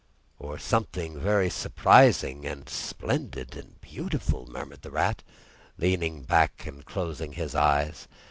"Or something very surprising and splendid and beautiful," murmured the Rat, leaning back and closing his eyes.